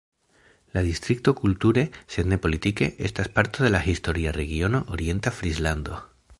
La distrikto kulture, sed ne politike, estas parto de la historia regiono Orienta Frislando.